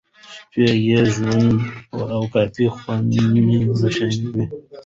شپې یې ژوندۍ وې او کافيخونې روښانه وې.